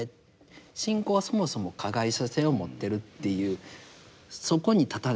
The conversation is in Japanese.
信仰はそもそも加害者性を持ってるっていうそこに立たねばならない。